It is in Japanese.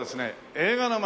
映画の街